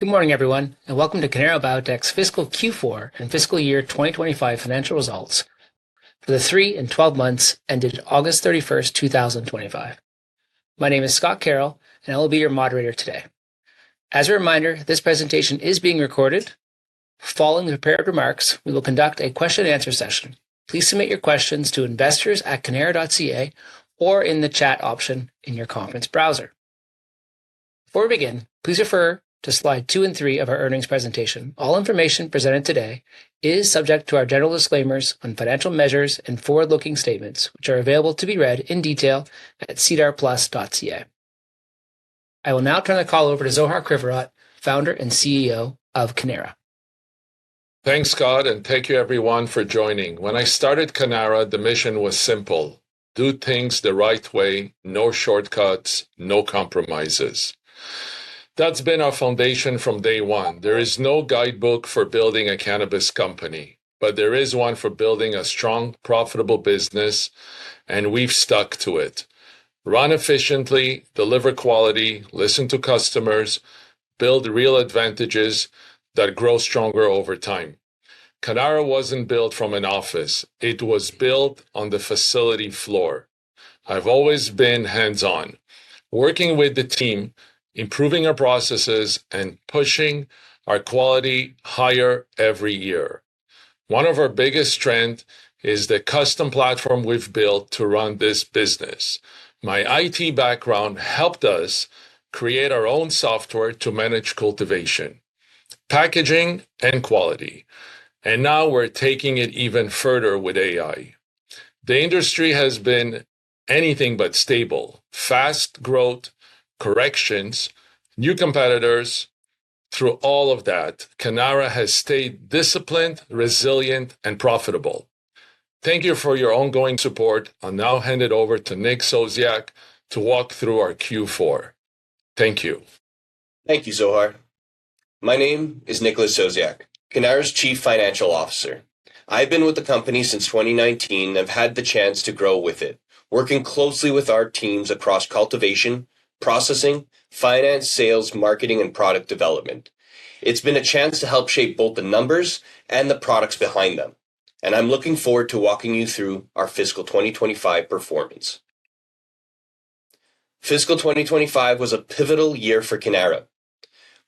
Good morning, everyone, and welcome to Cannara Biotech's Fiscal Q4 and Fiscal Year 2025 financial results for the three and 12 months ended August 31, 2025. My name is Scott Carroll, and I will be your moderator today. As a reminder, this presentation is being recorded. Following the prepared remarks, we will conduct a question-and-answer session. Please submit your questions to investors@cannara.ca or in the chat option in your conference browser. Before we begin, please refer to slide two and three of our earnings presentation. All information presented today is subject to our general disclaimers on financial measures and forward-looking statements, which are available to be read in detail at sedarplus.ca. I will now turn the call over to Zohar Krivorot, Founder and CEO of Cannara. Thanks, Scott, and thank you, everyone, for joining. When I started Cannara, the mission was simple: do things the right way, no shortcuts, no compromises. That's been our foundation from day one. There is no guidebook for building a cannabis company, but there is one for building a strong, profitable business, and we've stuck to it. Run efficiently, deliver quality, listen to customers, build real advantages that grow stronger over time. Cannara wasn't built from an office; it was built on the facility floor. I've always been hands-on, working with the team, improving our processes, and pushing our quality higher every year. One of our biggest strengths is the custom platform we've built to run this business. My IT background helped us create our own software to manage cultivation, packaging, and quality. And now we're taking it even further with AI. The industry has been anything but stable: fast growth, corrections, new competitors. Through all of that, Cannara has stayed disciplined, resilient, and profitable. Thank you for your ongoing support. I'll now hand it over to Nick Sosiak to walk through our Q4. Thank you. Thank you, Zohar. My name is Nicholas Sosiak, Cannara's Chief Financial Officer. I've been with the company since 2019 and have had the chance to grow with it, working closely with our teams across cultivation, processing, finance, sales, marketing, and product development. It's been a chance to help shape both the numbers and the products behind them, and I'm looking forward to walking you through our fiscal 2025 performance. Fiscal 2025 was a pivotal year for Cannara.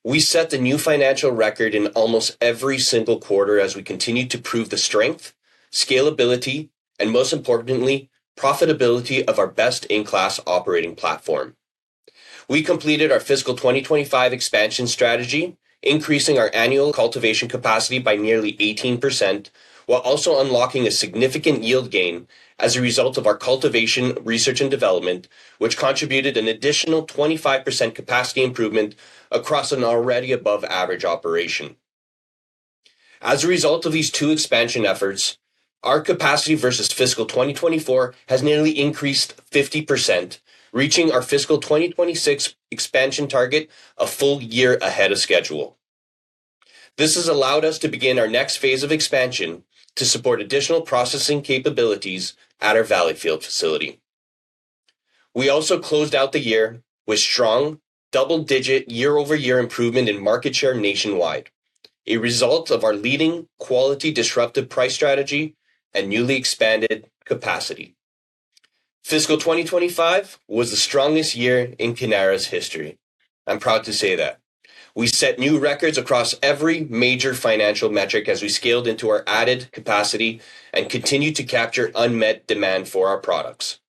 We set the new financial record in almost every single quarter as we continued to prove the strength, scalability, and most importantly, profitability of our best-in-class operating platform. We completed our fiscal 2025 expansion strategy, increasing our annual cultivation capacity by nearly 18%, while also unlocking a significant yield gain as a result of our cultivation research and development, which contributed an additional 25% capacity improvement across an already above-average operation. As a result of these two expansion efforts, our capacity versus fiscal 2024 has nearly increased 50%, reaching our fiscal 2026 expansion target a full year ahead of schedule. This has allowed us to begin our next phase of expansion to support additional processing capabilities at our Valleyfield facility. We also closed out the year with strong double-digit year-over-year improvement in market share nationwide, a result of our leading quality-disruptive price strategy and newly expanded capacity. Fiscal 2025 was the strongest year in Cannara's history. I'm proud to say that. We set new records across every major financial metric as we scaled into our added capacity and continued to capture unmet demand for our products.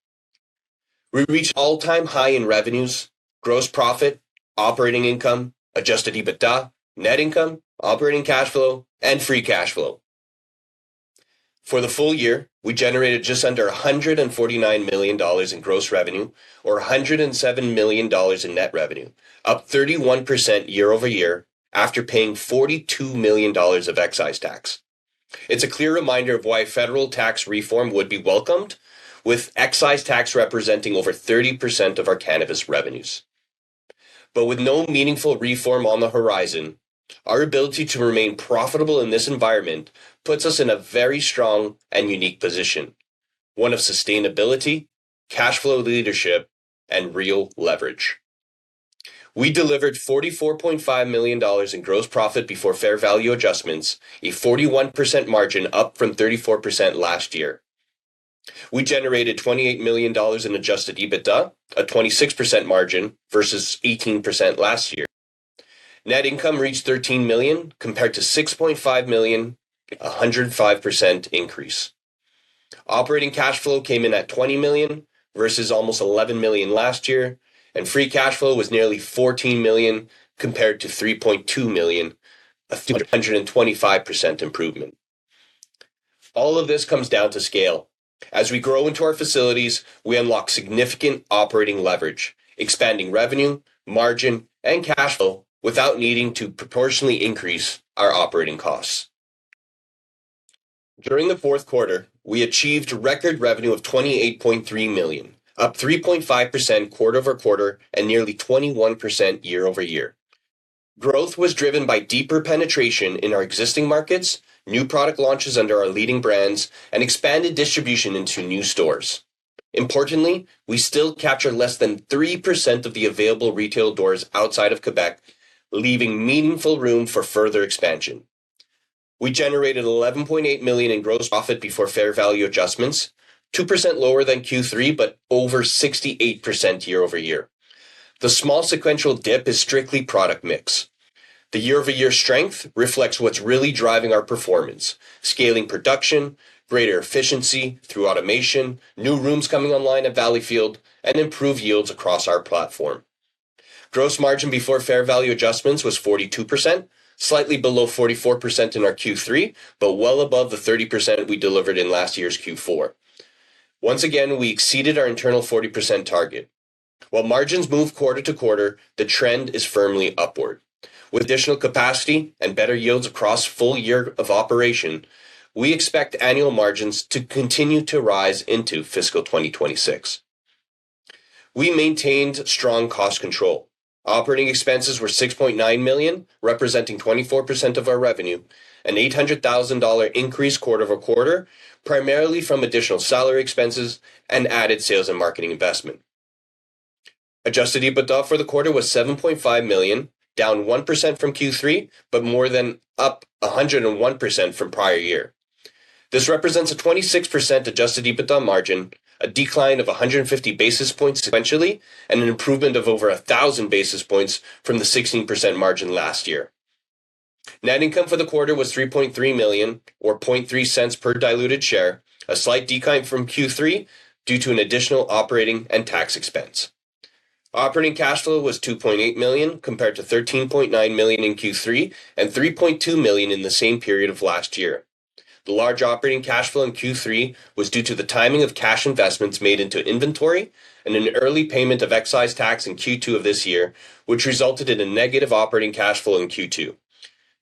We reached all-time high in revenues, gross profit, operating income, Adjusted EBITDA, net income, operating cash flow, and free cash flow. For the full year, we generated just under 149 million in gross revenue, or 107 million dollars in net revenue, up 31% year-over-year after paying 42 million dollars of excise tax. It's a clear reminder of why federal tax reform would be welcomed, with excise tax representing over 30% of our cannabis revenues. But with no meaningful reform on the horizon, our ability to remain profitable in this environment puts us in a very strong and unique position: one of sustainability, cash flow leadership, and real leverage. We delivered 44.5 million dollars in gross profit before fair value adjustments, a 41% margin up from 34% last year. We generated 28 million dollars in Adjusted EBITDA, a 26% margin versus 18% last year. Net income reached 13 million, compared to 6.5 million, a 105% increase. Operating cash flow came in at 20 million versus almost 11 million last year, and free cash flow was nearly 14 million, compared to 3.2 million, a 225% improvement. All of this comes down to scale. As we grow into our facilities, we unlock significant operating leverage, expanding revenue, margin, and cash flow without needing to proportionally increase our operating costs. During the fourth quarter, we achieved record revenue of 28.3 million, up 3.5% quarter-over-quarter and nearly 21% year-over-year. Growth was driven by deeper penetration in our existing markets, new product launches under our leading brands, and expanded distribution into new stores. Importantly, we still capture less than 3% of the available retail doors outside of Quebec, leaving meaningful room for further expansion. We generated 11.8 million in gross profit before fair value adjustments, 2% lower than Q3, but over 68% year-over-year. The small sequential dip is strictly product mix. The year-over-year strength reflects what's really driving our performance: scaling production, greater efficiency through automation, new rooms coming online at Valleyfield, and improved yields across our platform. Gross margin before fair value adjustments was 42%, slightly below 44% in our Q3, but well above the 30% we delivered in last year's Q4. Once again, we exceeded our internal 40% target. While margins move quarter to quarter, the trend is firmly upward. With additional capacity and better yields across full year of operation, we expect annual margins to continue to rise into fiscal 2026. We maintained strong cost control. Operating expenses were 6.9 million, representing 24% of our revenue, an 800,000 dollar increase quarter-over-quarter, primarily from additional salary expenses and added sales and marketing investment. Adjusted EBITDA for the quarter was 7.5 million, down 1% from Q3, but more than up 101% from prior year. This represents a 26% Adjusted EBITDA margin, a decline of 150 basis points sequentially, and an improvement of over 1,000 basis points from the 16% margin last year. Net income for the quarter was 3.3 million, or 0.003 per diluted share, a slight decline from Q3 due to an additional operating and tax expense. Operating cash flow was 2.8 million, compared to 13.9 million in Q3 and 3.2 million in the same period of last year. The large operating cash flow in Q3 was due to the timing of cash investments made into inventory and an early payment of excise tax in Q2 of this year, which resulted in a negative operating cash flow in Q2.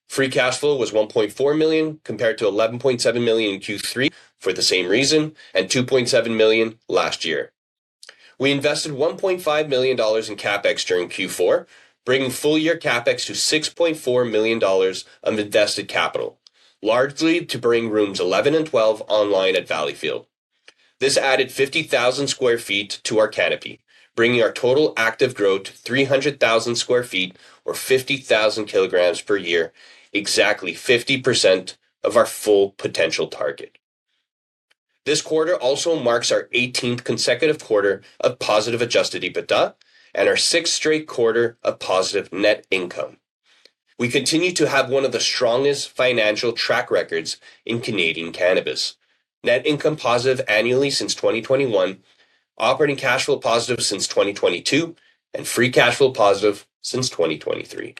Free cash flow was 1.4 million, compared to 11.7 million in Q3 for the same reason, and 2.7 million last year. We invested 1.5 million dollars in CapEx during Q4, bringing full-year CapEx to 6.4 million dollars of invested capital, largely to bring Rooms 11 and 12 online at Valleyfield. This added 50,000 sq ft to our canopy, bringing our total active growth to 300,000 sq ft, or 50,000 kilograms per year, exactly 50% of our full potential target. This quarter also marks our 18th consecutive quarter of positive Adjusted EBITDA and our sixth straight quarter of positive net income. We continue to have one of the strongest financial track records in Canadian cannabis: net income positive annually since 2021, operating cash flow positive since 2022, and free cash flow positive since 2023.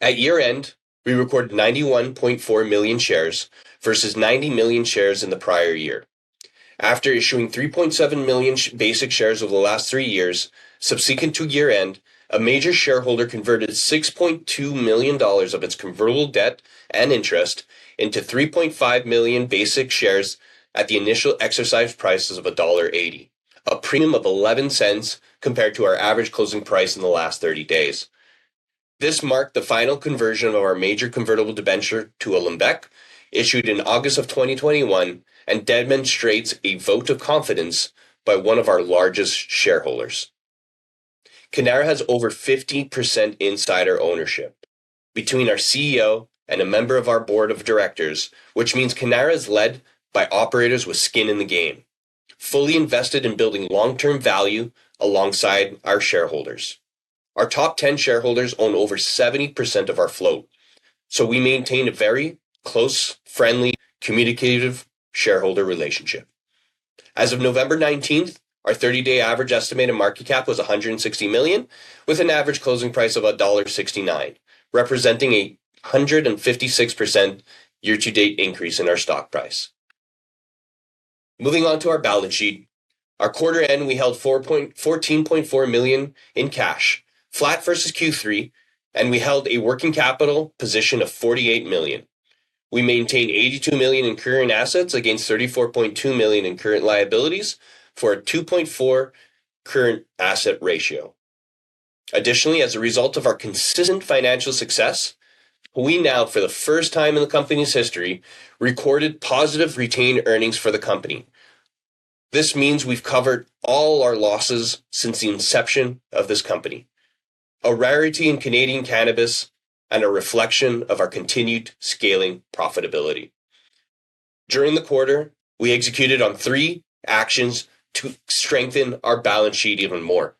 At year-end, we recorded 91.4 million shares versus 90 million shares in the prior year. After issuing 3.7 million basic shares over the last three years, subsequent to year-end, a major shareholder converted 6.2 million dollars of its convertible debt and interest into 3.5 million basic shares at the initial exercise price of dollar 1.80, a premium of 0.11 compared to our average closing price in the last 30 days. This marked the final conversion of our major convertible debenture, the Olymbec, issued in August of 2021, and demonstrates a vote of confidence by one of our largest shareholders. Cannara has over 50% insider ownership between our CEO and a member of our board of directors, which means Cannara is led by operators with skin in the game, fully invested in building long-term value alongside our shareholders. Our top 10 shareholders own over 70% of our float, so we maintain a very close, friendly, communicative shareholder relationship. As of November 19, our 30-day average estimated market cap was 160 million, with an average closing price of dollar 1.69, representing a 156% year-to-date increase in our stock price. Moving on to our balance sheet, our quarter-end, we held 14.4 million in cash, flat versus Q3, and we held a working capital position of 48 million. We maintained 82 million in current assets against 34.2 million in current liabilities for a 2.4 current asset ratio. Additionally, as a result of our consistent financial success, we now, for the first time in the company's history, recorded positive retained earnings for the company. This means we've covered all our losses since the inception of this company, a rarity in Canadian cannabis and a reflection of our continued scaling profitability. During the quarter, we executed on three actions to strengthen our balance sheet even more.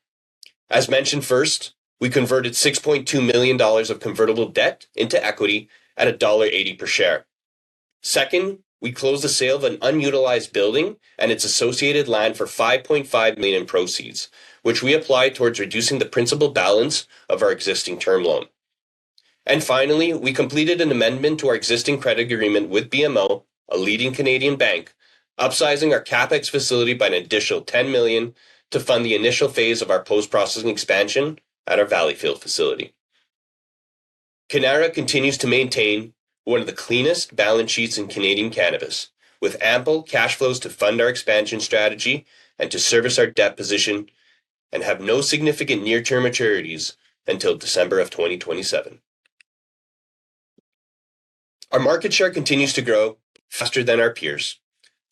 As mentioned first, we converted 6.2 million dollars of convertible debt into equity at dollar 1.80 per share. Second, we closed the sale of an unutilized building and its associated land for 5.5 million in proceeds, which we applied towards reducing the principal balance of our existing term loan. And finally, we completed an amendment to our existing credit agreement with BMO, a leading Canadian bank, upsizing our CapEx facility by an additional 10 million to fund the initial phase of our post-processing expansion at our Valleyfield facility. Cannara continues to maintain one of the cleanest balance sheets in Canadian cannabis, with ample cash flows to fund our expansion strategy and to service our debt position and have no significant near-term maturities until December of 2027. Our market share continues to grow faster than our peers.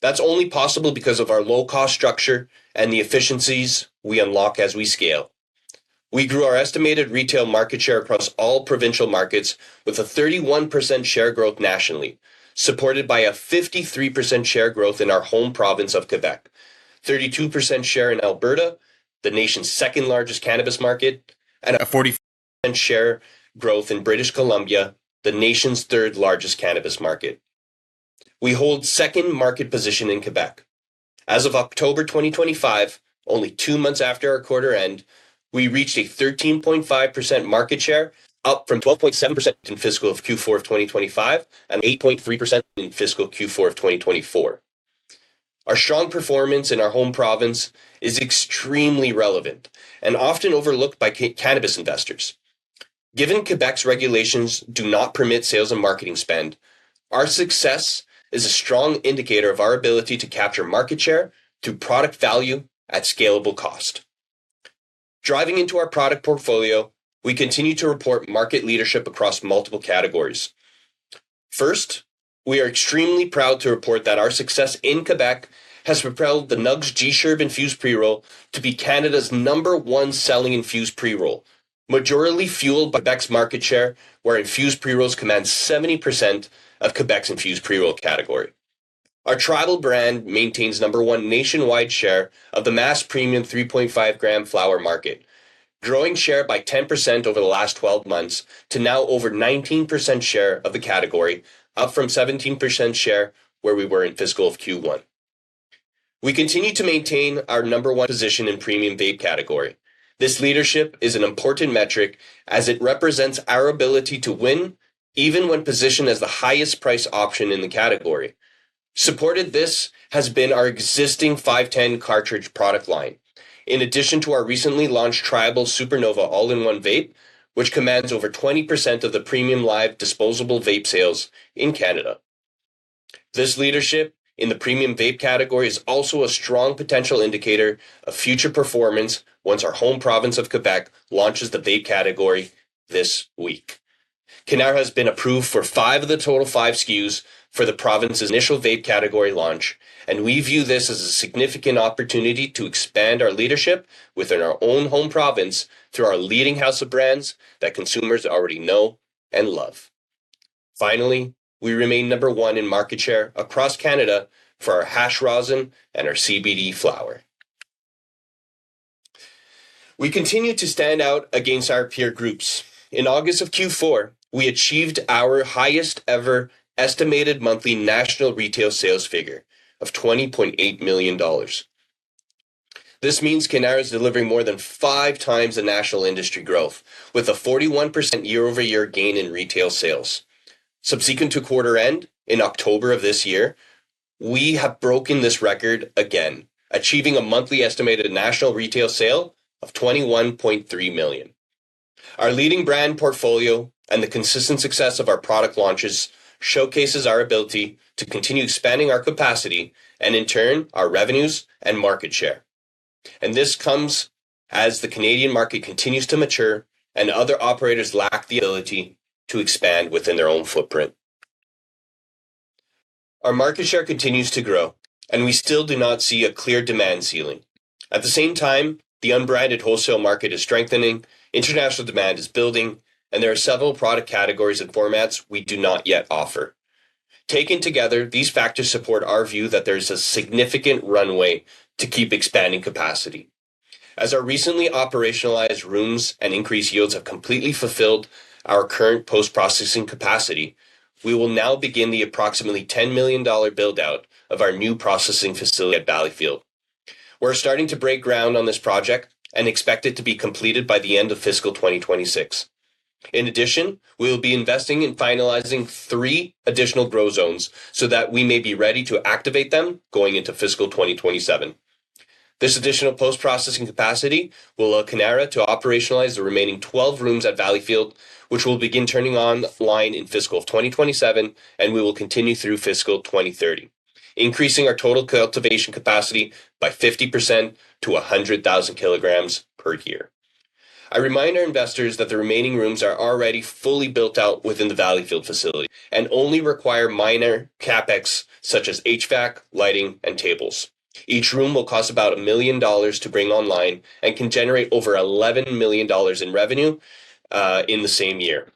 That's only possible because of our low-cost structure and the efficiencies we unlock as we scale. We grew our estimated retail market share across all provincial markets with a 31% share growth nationally, supported by a 53% share growth in our home province of Quebec, a 32% share in Alberta, the nation's second-largest cannabis market, and a 44% share growth in British Columbia, the nation's third-largest cannabis market. We hold second market position in Quebec. As of October 2025, only two months after our quarter-end, we reached a 13.5% market share, up from 12.7% in fiscal of Q4 of 2025 and 8.3% in fiscal Q4 of 2024. Our strong performance in our home province is extremely relevant and often overlooked by cannabis investors. Given Quebec's regulations do not permit sales and marketing spend, our success is a strong indicator of our ability to capture market share to product value at scalable cost. Diving into our product portfolio, we continue to report market leadership across multiple categories. First, we are extremely proud to report that our success in Quebec has propelled the Nugz G Sherb Infused Pre-Roll to be Canada's number one selling infused pre-roll, majority fueled by Quebec's market share, where infused pre-rolls command 70% of Quebec's infused pre-roll category. Our Tribal brand maintains number one nationwide share of the mass premium 3.5-gram flower market, growing share by 10% over the last 12 months to now over 19% share of the category, up from 17% share where we were in fiscal of Q1. We continue to maintain our number one position in premium vape category. This leadership is an important metric as it represents our ability to win, even when positioned as the highest price option in the category. Supported this has been our existing 510 cartridge product line, in addition to our recently launched Tribal All-In-One, which commands over 20% of the premium live disposable vape sales in Canada. This leadership in the premium vape category is also a strong potential indicator of future performance once our home province of Quebec launches the vape category this week. Cannara has been approved for five of the total five SKUs for the province's initial vape category launch, and we view this as a significant opportunity to expand our leadership within our own home province through our leading house of brands that consumers already know and love. Finally, we remain number one in market share across Canada for our hash rosin and our CBD flower. We continue to stand out against our peer groups. In August of Q4, we achieved our highest ever estimated monthly national retail sales figure of 20.8 million dollars. This means Cannara is delivering more than five times the national industry growth, with a 41% year-over-year gain in retail sales. Subsequent to quarter-end in October of this year, we have broken this record again, achieving a monthly estimated national retail sale of 21.3 million. Our leading brand portfolio and the consistent success of our product launches showcases our ability to continue expanding our capacity and, in turn, our revenues and market share. And this comes as the Canadian market continues to mature and other operators lack the ability to expand within their own footprint. Our market share continues to grow, and we still do not see a clear demand ceiling. At the same time, the unbranded wholesale market is strengthening, international demand is building, and there are several product categories and formats we do not yet offer. Taken together, these factors support our view that there is a significant runway to keep expanding capacity. As our recently operationalized rooms and increased yields have completely fulfilled our current post-processing capacity, we will now begin the approximately 10 million dollar build-out of our new processing facility at Valleyfield. We're starting to break ground on this project and expect it to be completed by the end of fiscal 2026. In addition, we will be investing in finalizing three additional grow zones so that we may be ready to activate them going into fiscal 2027. This additional post-processing capacity will allow Cannara to operationalize the remaining 12 rooms at Valleyfield, which will begin turning online in fiscal 2027, and we will continue through fiscal 2030, increasing our total cultivation capacity by 50% to 100,000 kilograms per year. I remind our investors that the remaining rooms are already fully built out within the Valleyfield facility and only require minor CapEx such as HVAC, lighting, and tables. Each room will cost about $1 million to bring online and can generate over $11 million in revenue in the same year.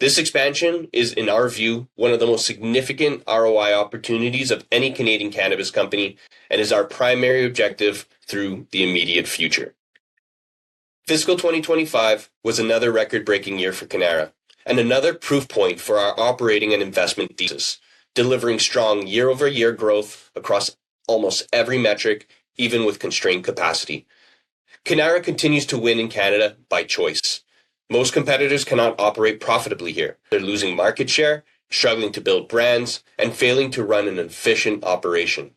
This expansion is, in our view, one of the most significant ROI opportunities of any Canadian cannabis company and is our primary objective through the immediate future. Fiscal 2025 was another record-breaking year for Cannara and another proof point for our operating and investment thesis, delivering strong year-over-year growth across almost every metric, even with constrained capacity. Cannara continues to win in Canada by choice. Most competitors cannot operate profitably here, losing market share, struggling to build brands, and failing to run an efficient operation.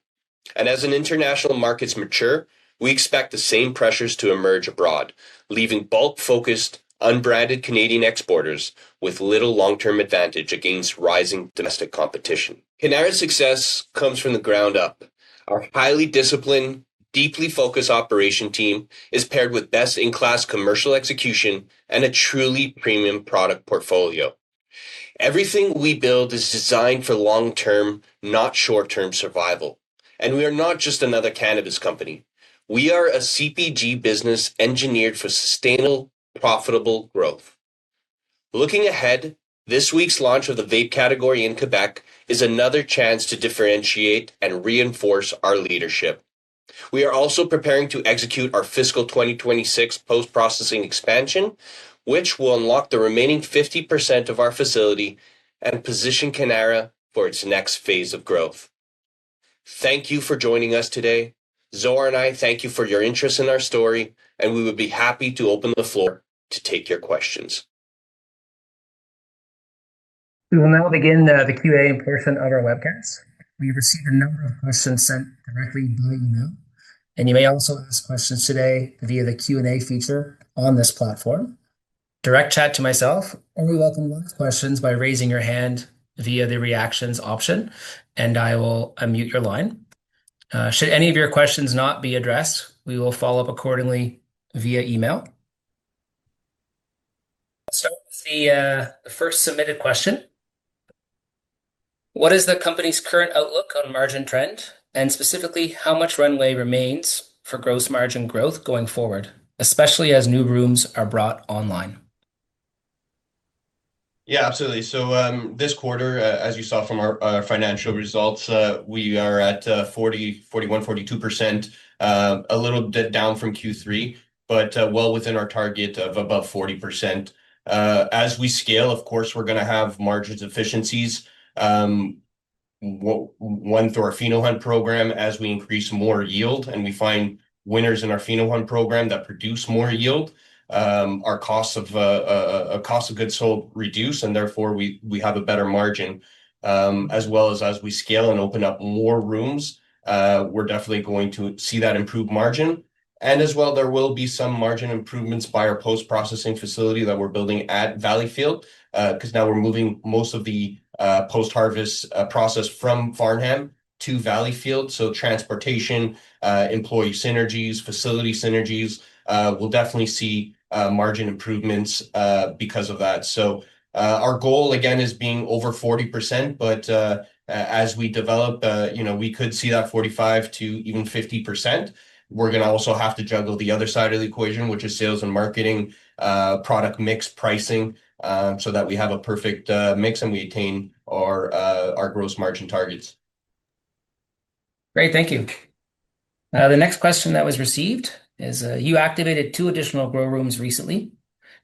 And as international markets mature, we expect the same pressures to emerge abroad, leaving bulk-focused, unbranded Canadian exporters with little long-term advantage against rising domestic competition. Cannara's success comes from the ground up. Our highly disciplined, deeply focused operation team is paired with best-in-class commercial execution and a truly premium product portfolio. Everything we build is designed for long-term, not short-term survival. And we are not just another cannabis company. We are a CPG business engineered for sustainable, profitable growth. Looking ahead, this week's launch of the vape category in Quebec is another chance to differentiate and reinforce our leadership. We are also preparing to execute our fiscal 2026 post-processing expansion, which will unlock the remaining 50% of our facility and position Cannara for its next phase of growth. Thank you for joining us today. Zohar and I, thank you for your interest in our story, and we would be happy to open the floor to take your questions. We will now begin the Q&A in person of our webcast. We've received a number of questions sent directly by email, and you may also ask questions today via the Q&A feature on this platform. Direct chat to myself, or we welcome live questions by raising your hand via the reactions option, and I will unmute your line. Should any of your questions not be addressed, we will follow up accordingly via email. Let's start with the first submitted question. What is the company's current outlook on margin trend, and specifically, how much runway remains for gross margin growth going forward, especially as new rooms are brought online? Yeah, absolutely. So this quarter, as you saw from our financial results, we are at 41%-42%, a little bit down from Q3, but well within our target of above 40%. As we scale, of course, we're going to have margin efficiencies. One through our pheno hunt program, as we increase more yield and we find winners in our pheno hunt program that produce more yield, our cost of goods sold reduces, and therefore we have a better margin. As well as we scale and open up more rooms, we're definitely going to see that improved margin. And as well, there will be some margin improvements by our post-processing facility that we're building at Valleyfield, because now we're moving most of the post-harvest process from Farnham to Valleyfield. So transportation, employee synergies, facility synergies, we'll definitely see margin improvements because of that. So our goal, again, is being over 40%, but as we develop, we could see that 45% to even 50%. We're going to also have to juggle the other side of the equation, which is sales and marketing, product mix, pricing, so that we have a perfect mix and we attain our gross margin targets. Great, thank you. The next question that was received is, you activated two additional grow rooms recently.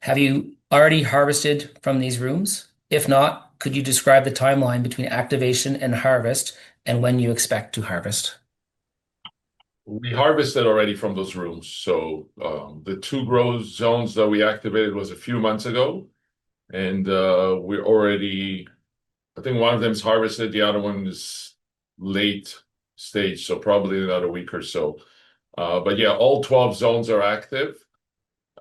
Have you already harvested from these rooms? If not, could you describe the timeline between activation and harvest and when you expect to harvest? We harvested already from those rooms. So the two grow zones that we activated was a few months ago, and we already, I think one of them is harvested, the other one is late stage, so probably in about a week or so. But yeah, all 12 zones are active.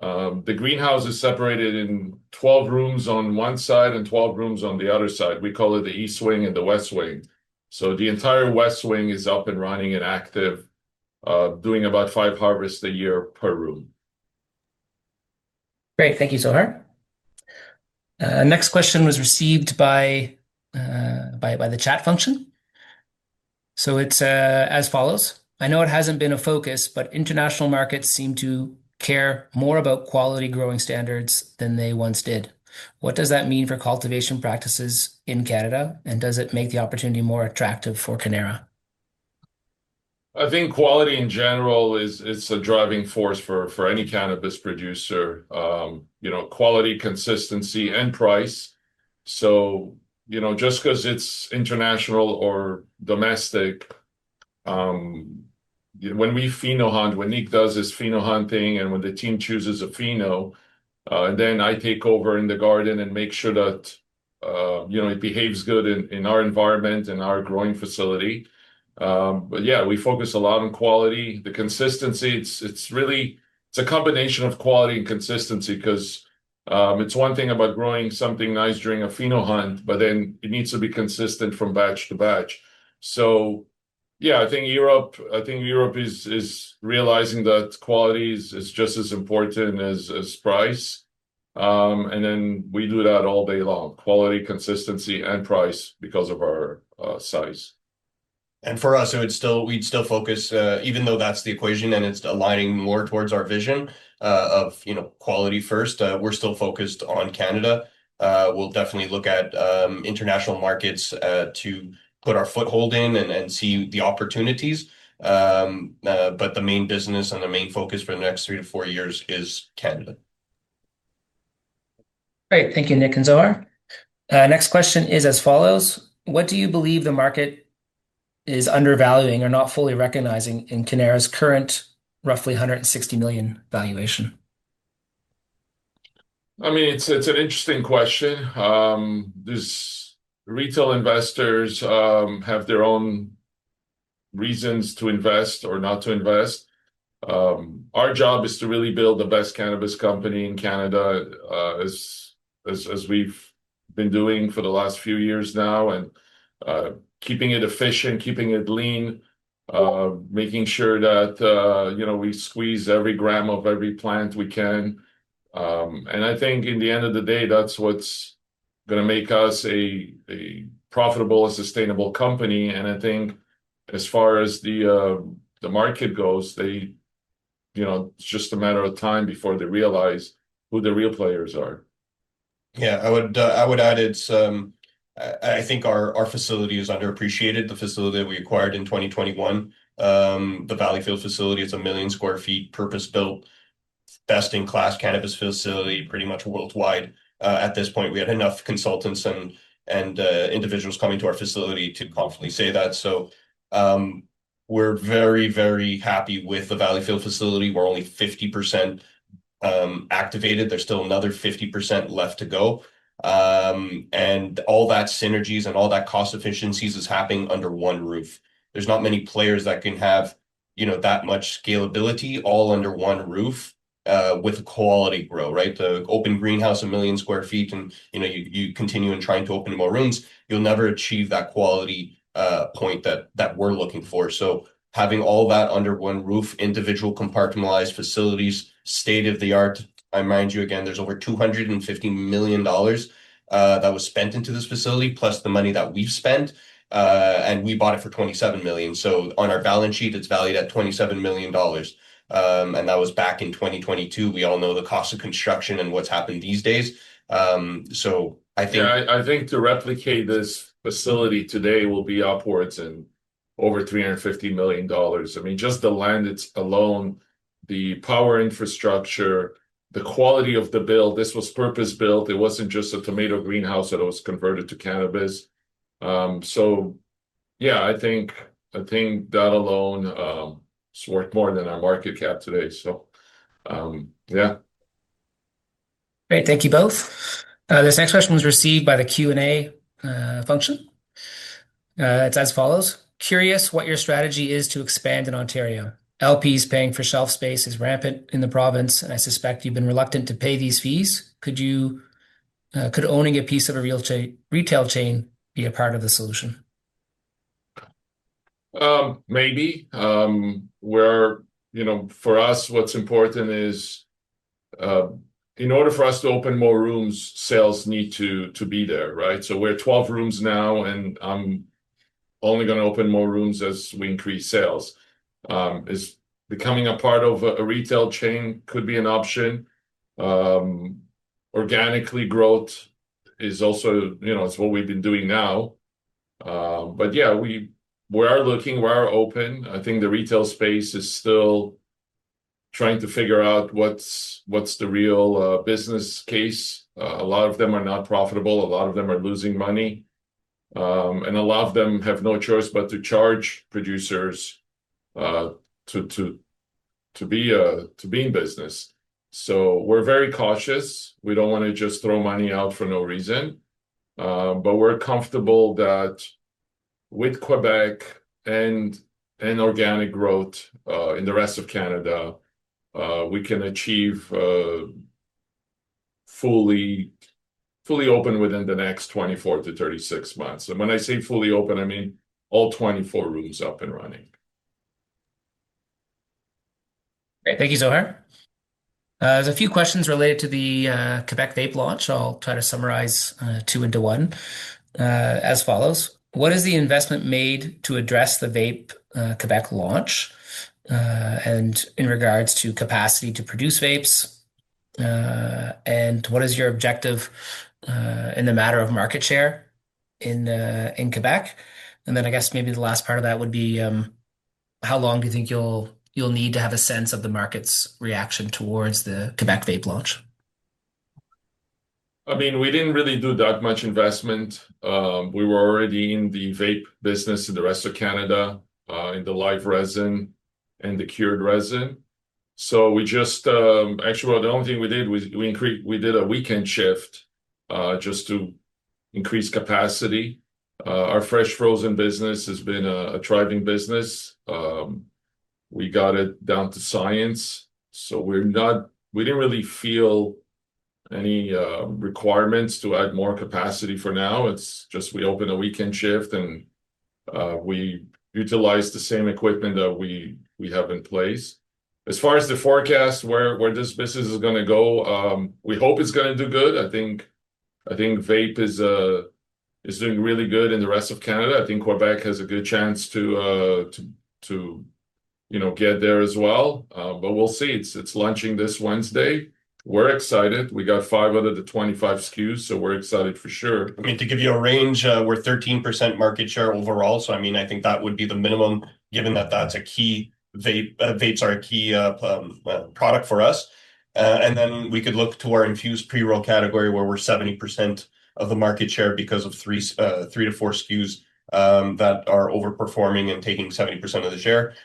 The greenhouse is separated in 12 rooms on one side and 12 rooms on the other side. We call it the East Wing and the West Wing. So the entire West Wing is up and running and active, doing about five harvests a year per room. Great, thank you, Zohar. Next question was received by the chat function. So it's as follows. I know it hasn't been a focus, but international markets seem to care more about quality growing standards than they once did. What does that mean for cultivation practices in Canada, and does it make the opportunity more attractive for Cannara? I think quality in general is a driving force for any cannabis producer. Quality, consistency, and price, so just because it's international or domestic, when we pheno hunt, what Nick does is Pheno Hunting, and when the team chooses a pheno, then I take over in the garden and make sure that it behaves good in our environment, in our growing facility, but yeah, we focus a lot on quality. The consistency, it's a combination of quality and consistency because it's one thing about growing something nice during a pheno hunt, but then it needs to be consistent from batch to batch, so yeah, I think Europe is realizing that quality is just as important as price, and then we do that all day long, quality, consistency, and price because of our size. For us, we'd still focus, even though that's the equation and it's aligning more towards our vision of quality first, we're still focused on Canada. We'll definitely look at international markets to put our foothold in and see the opportunities. But the main business and the main focus for the next three to four years is Canada. Great, thank you, Nick and Zohar. Next question is as follows. What do you believe the market is undervaluing or not fully recognizing in Cannara's current roughly 160 million valuation? I mean, it's an interesting question. Retail investors have their own reasons to invest or not to invest. Our job is to really build the best cannabis company in Canada, as we've been doing for the last few years now, and keeping it efficient, keeping it lean, making sure that we squeeze every gram of every plant we can. I think at the end of the day, that's what's going to make us a profitable and sustainable company. I think as far as the market goes, it's just a matter of time before they realize who the real players are. Yeah, I would add it's I think our facility is underappreciated. The facility that we acquired in 2021, the Valleyfield facility, it's 1 million sq ft purpose-built, best-in-class cannabis facility pretty much worldwide. At this point, we had enough consultants and individuals coming to our facility to confidently say that. So we're very, very happy with the Valleyfield facility. We're only 50% activated. There's still another 50% left to go. And all that synergies and all that cost efficiencies is happening under one roof. There's not many players that can have that much scalability all under one roof with quality grow, right? The open greenhouse of a million sq ft, and you continue in trying to open more rooms, you'll never achieve that quality point that we're looking for. So having all that under one roof, individual compartmentalized facilities, state-of-the-art. I remind you again, there's over 250 million dollars that was spent into this facility, plus the money that we've spent. We bought it for 27 million. So on our balance sheet, it's valued at 27 million dollars. That was back in 2022. We all know the cost of construction and what's happened these days. So I think To replicate this facility today will be upwards in over 350 million dollars. I mean, just the land alone, the power infrastructure, the quality of the build, this was purpose-built. It wasn't just a tomato greenhouse that was converted to cannabis. So yeah, I think that alone is worth more than our market cap today. So yeah. Great, thank you both. This next question was received by the Q&A function. It's as follows. Curious what your strategy is to expand in Ontario. LPs paying for shelf space is rampant in the province, and I suspect you've been reluctant to pay these fees. Could owning a piece of a retail chain be a part of the solution? Maybe. For us, what's important is in order for us to open more rooms, sales need to be there, right? So we're 12 rooms now, and I'm only going to open more rooms as we increase sales. Becoming a part of a retail chain could be an option. Organically growth is also what we've been doing now. But yeah, we are looking. We are open. I think the retail space is still trying to figure out what's the real business case. A lot of them are not profitable. A lot of them are losing money. A lot of them have no choice but to charge producers to be in business. So we're very cautious. We don't want to just throw money out for no reason. But we're comfortable that with Quebec and organic growth in the rest of Canada, we can achieve fully open within the next 24-36 months. And when I say fully open, I mean all 24 rooms up and running. Great, thank you, Zohar. There's a few questions related to the Quebec vape launch. I'll try to summarize two into one as follows. What is the investment made to address the vape Quebec launch and in regards to capacity to produce vapes? And what is your objective in the matter of market share in Quebec? Then I guess maybe the last part of that would be how long do you think you'll need to have a sense of the market's reaction towards the Quebec Vape launch? I mean, we didn't really do that much investment. We were already in the vape business in the rest of Canada in the live resin and the cured resin. So we just actually, well, the only thing we did, we did a weekend shift just to increase capacity. Our fresh frozen business has been a thriving business. We got it down to science. So we didn't really feel any requirements to add more capacity for now. It's just we open a weekend shift and we utilize the same equipment that we have in place. As far as the forecast, where this business is going to go, we hope it's going to do good. I think vape is doing really good in the rest of Canada. I think Quebec has a good chance to get there as well, but we'll see. It's launching this Wednesday. We're excited. We got five out of the 25 SKUs, so we're excited for sure. I mean, to give you a range, we're 13% market share overall. So I mean, I think that would be the minimum given that that's a key vapes are a key product for us and then we could look to our infused pre-roll category where we're 70% of the market share because of three to four SKUs that are overperforming and taking 70% of the share.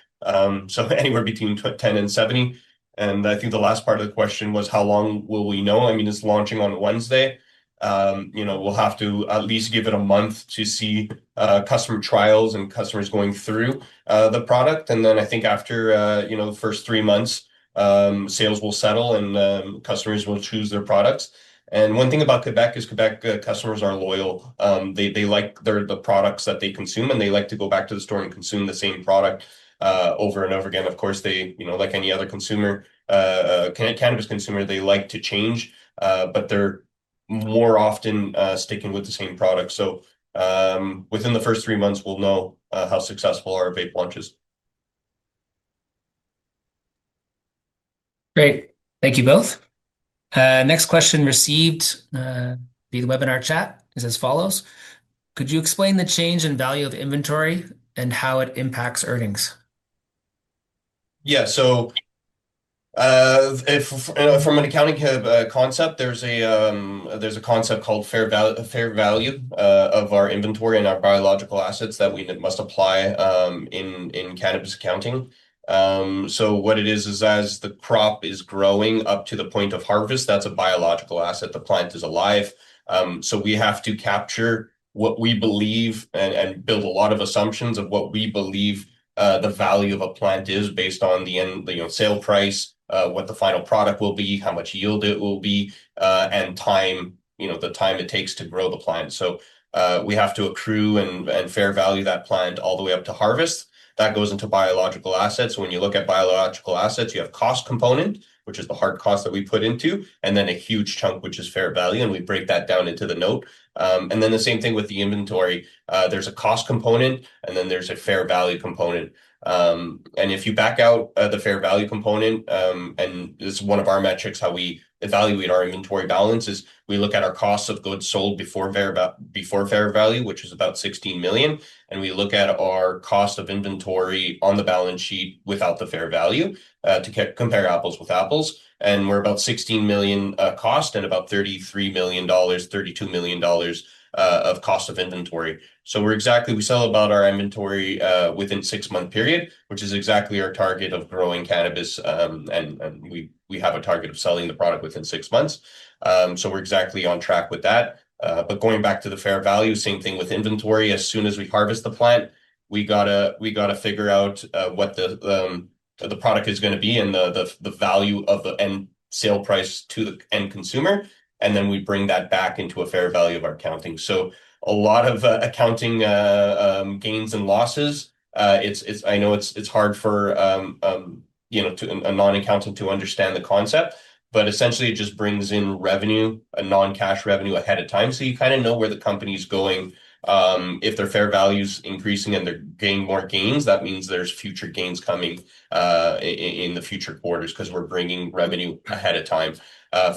So anywhere between 10%-70%. I think the last part of the question was how long will we know? I mean, it's launching on Wednesday. We'll have to at least give it a month to see customer trials and customers going through the product. And then I think after the first three months, sales will settle and customers will choose their products. And one thing about Quebec is Quebec customers are loyal. They like the products that they consume, and they like to go back to the store and consume the same product over and over again. Of course, like any other cannabis consumer, they like to change, but they're more often sticking with the same product. So within the first three months, we'll know how successful our vape launch is. Great. Thank you both. Next question received via the webinar chat is as follows. Could you explain the change in value of inventory and how it impacts earnings? Yeah. So from an accounting concept, there's a concept called fair value of our inventory and our biological assets that we must apply in cannabis accounting. So what it is is as the crop is growing up to the point of harvest, that's a biological asset. The plant is alive. So we have to capture what we believe and build a lot of assumptions of what we believe the value of a plant is based on the sale price, what the final product will be, how much yield it will be, and the time it takes to grow the plant. So we have to accrue and fair value that plant all the way up to harvest. That goes into biological assets. When you look at biological assets, you have cost component, which is the hard cost that we put into, and then a huge chunk, which is fair value. We break that down into the note. Then the same thing with the inventory. There's a cost component, and then there's a fair value component. If you back out the fair value component, and it's one of our metrics how we evaluate our inventory balance, is we look at our cost of goods sold before fair value, which is about 16 million. We look at our cost of inventory on the balance sheet without the fair value to compare apples with apples. We're about 16 million cost and about $32 million of cost of inventory. We sell about our inventory within a six-month period, which is exactly our target of growing cannabis. We have a target of selling the product within six months. We're exactly on track with that. Going back to the fair value, same thing with inventory. As soon as we harvest the plant, we got to figure out what the product is going to be and the value of the end sale price to the end consumer, and then we bring that back into a fair value of our accounting, so a lot of accounting gains and losses. I know it's hard for a non-accountant to understand the concept, but essentially, it just brings in revenue, a non-cash revenue ahead of time, so you kind of know where the company's going. If their fair value's increasing and they're getting more gains, that means there's future gains coming in the future quarters because we're bringing revenue ahead of time.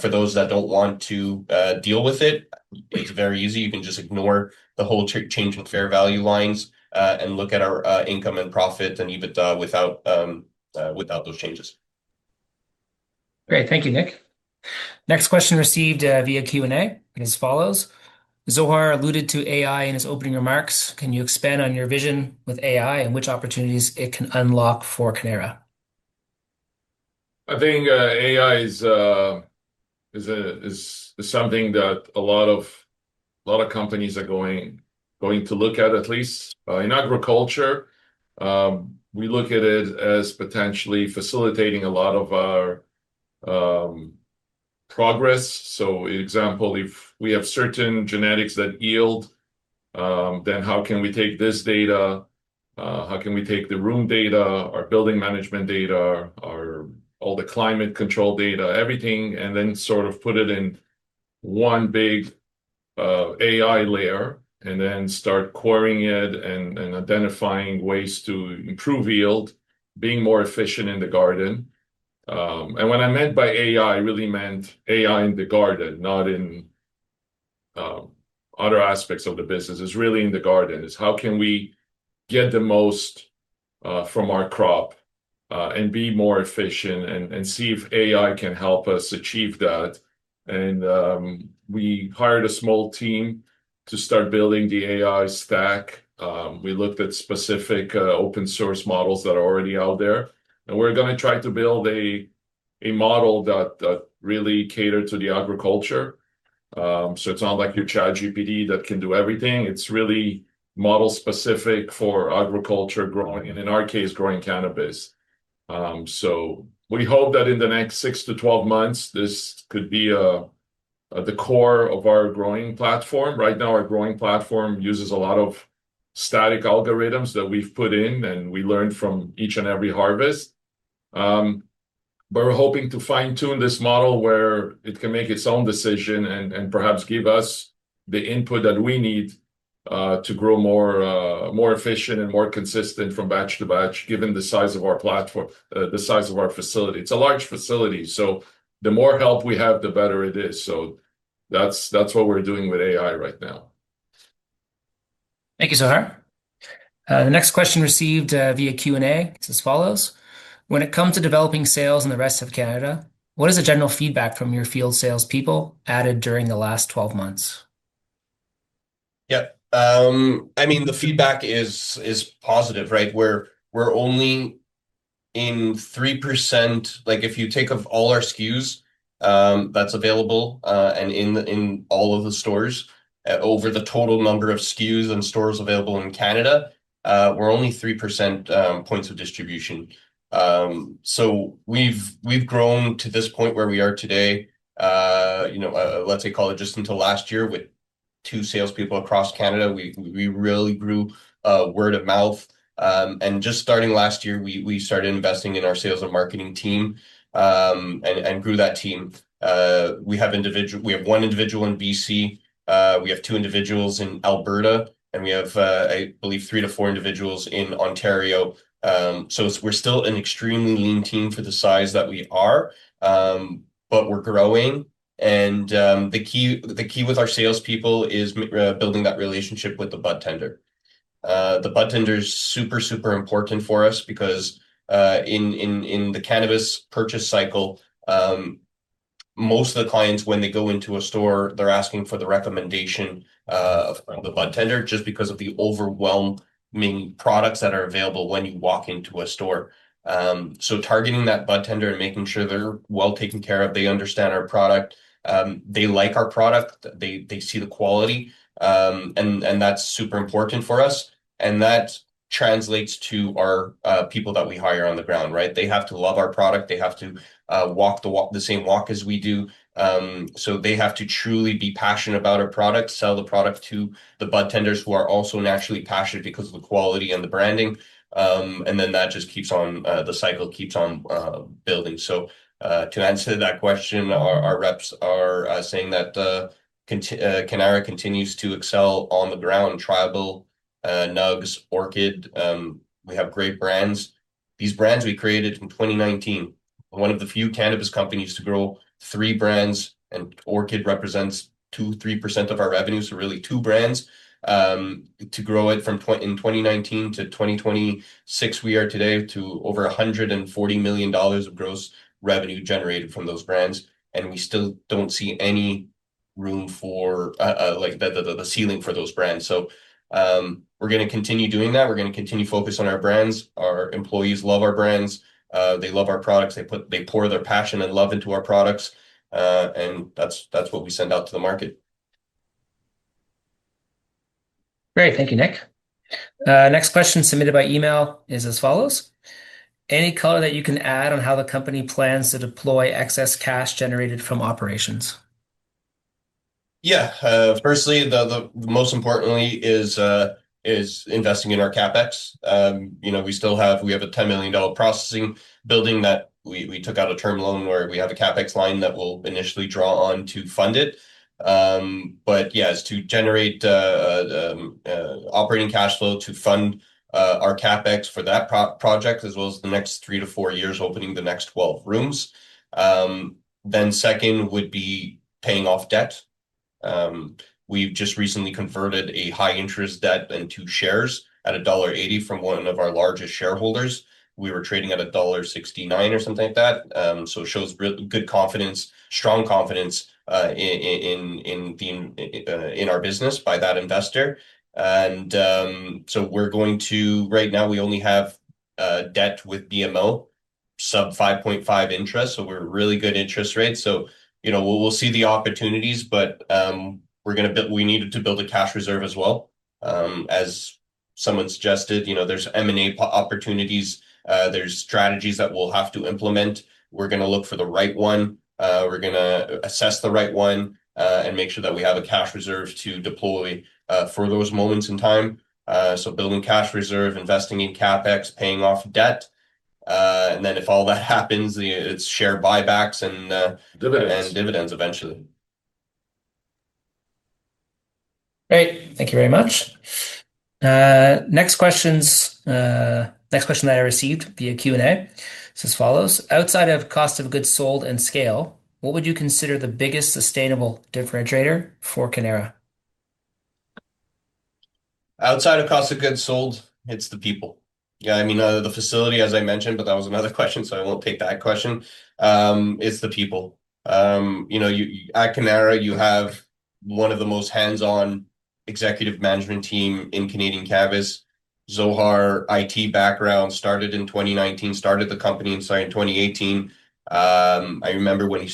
For those that don't want to deal with it, it's very easy. You can just ignore the whole change in fair value lines and look at our income and profit and EBITDA without those changes. Great. Thank you, Nick. Next question received via Q&A is as follows. Zohar alluded to AI in his opening remarks. Can you expand on your vision with AI and which opportunities it can unlock for Cannara? I think AI is something that a lot of companies are going to look at, at least. In agriculture, we look at it as potentially facilitating a lot of our progress. So example, if we have certain genetics that yield, then how can we take this data? How can we take the room data, our building management data, all the climate control data, everything, and then sort of put it in one big AI layer and then start querying it and identifying ways to improve yield, being more efficient in the garden? And what I meant by AI, I really meant AI in the garden, not in other aspects of the business. It's really in the garden. It's how can we get the most from our crop and be more efficient and see if AI can help us achieve that? And we hired a small team to start building the AI stack. We looked at specific open-source models that are already out there. And we're going to try to build a model that really caters to the agriculture. So it's not like your ChatGPT that can do everything. It's really model-specific for agriculture, and in our case, growing cannabis. So we hope that in the next six to 12 months, this could be the core of our growing platform. Right now, our growing platform uses a lot of static algorithms that we've put in, and we learned from each and every harvest. But we're hoping to fine-tune this model where it can make its own decision and perhaps give us the input that we need to grow more efficient and more consistent from batch to batch, given the size of our platform, the size of our facility. It's a large facility. So the more help we have, the better it is. So that's what we're doing with AI right now. Thank you, Zohar. The next question received via Q&A is as follows. When it comes to developing sales in the rest of Canada, what is the general feedback from your field salespeople added during the last 12 months? Yep. I mean, the feedback is positive, right? We're only in 3%. If you take off all our SKUs that's available and in all of the stores over the total number of SKUs and stores available in Canada, we're only 3% points of distribution. We've grown to this point where we are today. Let's say, call it just until last year with two salespeople across Canada. We really grew word of mouth. Just starting last year, we started investing in our sales and marketing team and grew that team. We have one individual in BC. We have two individuals in Alberta, and we have, I believe, three to four individuals in Ontario. We're still an extremely lean team for the size that we are, but we're growing. The key with our salespeople is building that relationship with the budtender. The budtender is super, super important for us because in the cannabis purchase cycle, most of the clients, when they go into a store, they're asking for the recommendation of the budtender just because of the overwhelming products that are available when you walk into a store. Targeting that budtender and making sure they're well taken care of, they understand our product, they like our product, they see the quality. And that's super important for us. And that translates to our people that we hire on the ground, right? They have to love our product. They have to walk the same walk as we do. So they have to truly be passionate about our product, sell the product to the budtenders who are also naturally passionate because of the quality and the branding. And then that just keeps on, the cycle keeps on building. So to answer that question, our reps are saying that Cannara continues to excel on the ground, Tribal, Nugz, Orchid. We have great brands. These brands we created in 2019. One of the few cannabis companies to grow three brands, and Orchid represents 2-3% of our revenue. So, really two brands. To grow it from in 2019 to 2026, we are today to over 140 million dollars of gross revenue generated from those brands. And we still don't see any room for the ceiling for those brands. So we're going to continue doing that. We're going to continue focus on our brands. Our employees love our brands. They love our products. They pour their passion and love into our products. And that's what we send out to the market. Great. Thank you, Nick. Next question submitted by email is as follows. Any color that you can add on how the company plans to deploy excess cash generated from operations? Yeah. Firstly, most importantly is investing in our CapEx. We have a 10 million dollar processing building that we took out a term loan where we have a CapEx line that we'll initially draw on to fund it. But yeah, it's to generate operating cash flow to fund our CapEx for that project as well as the next three to four years opening the next 12 rooms. Then second would be paying off debt. We've just recently converted a high-interest debt into shares at dollar 1.80 from one of our largest shareholders. We were trading at dollar 1.69 or something like that. So it shows good confidence, strong confidence in our business by that investor. And so, right now, we only have debt with BMO sub 5.5% interest. So we're really good interest rates. So we'll see the opportunities, but we're going to need to build a cash reserve as well. As someone suggested, there's M&A opportunities. There's strategies that we'll have to implement. We're going to look for the right one. We're going to assess the right one and make sure that we have a cash reserve to deploy for those moments in time. So building cash reserve, investing in CapEx, paying off debt. And then if all that happens, it's share buybacks and dividends eventually. Great. Thank you very much. Next question that I received via Q&A is as follows. Outside of cost of goods sold and scale, what would you consider the biggest sustainable differentiator for Cannara? Outside of cost of goods sold, it's the people. Yeah. I mean, the facility, as I mentioned, but that was another question, so I won't take that question. It's the people. At Cannara, you have one of the most hands-on executive management teams in Canadian cannabis. Zohar, IT background, started in 2019, started the company in 2018. I remember when